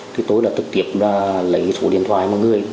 thì tôi đã thực tiệp lấy số điện thoại mọi người